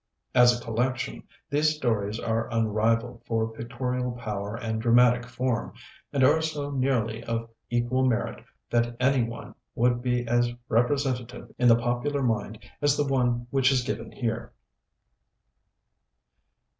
As a collection, these stories are unrivaled for pictorial power and dramatic form, and are so nearly of equal merit that any one would be as representative in the popular mind as the one which is given here.